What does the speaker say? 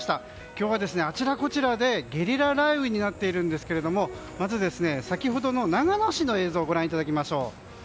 今日はあちらこちらでゲリラ雷雨になっているんですがまず、先ほどの長野市の映像をご覧いただきましょう。